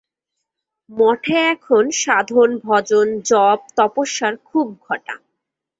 মঠে এখন সাধন-ভজন জপ-তপস্যার খুব ঘটা।